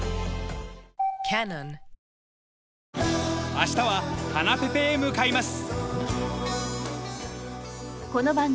明日はハナペペへ向かいます。